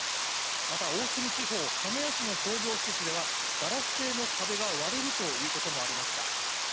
また、大隅地方鹿屋市の商業施設ではガラス製の壁が割れるということもありました。